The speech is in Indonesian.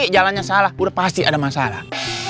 jalannya salah sudah pasti ada masalah